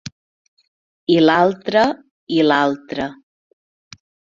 I l'altra i l'altra.